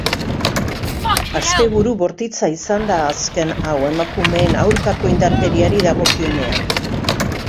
Asteburu bortitza izan da azken hau emakumeen aurkako indarkeriari dagokionean.